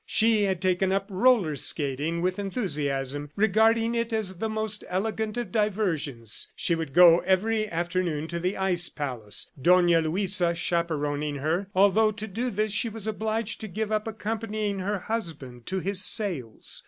She had taken up roller skating with enthusiasm, regarding it as the most elegant of diversions. She would go every afternoon to the Ice Palace, Dona Luisa chaperoning her, although to do this she was obliged to give up accompanying her husband to his sales.